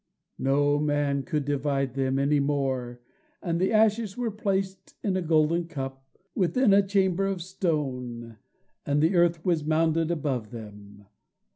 No man could divide them any more, and the ashes were placed in a golden cup, within a chamber of stone, and the earth was mounded above them.